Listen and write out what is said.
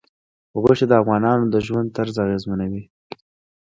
غوښې د افغانانو د ژوند طرز اغېزمنوي.